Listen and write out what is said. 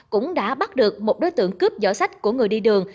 cũng đã bắt được một đối tượng cướp dỏ sách của người đi đường